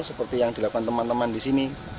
seperti yang dilakukan teman teman di sini